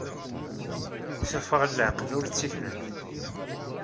Tuffɣa n leɛqel ur d tifrat.